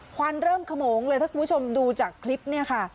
ควันเริ่มขโมงเลยถ้าคุณผู้ชมดูจากคลิปเนี่ยค่ะ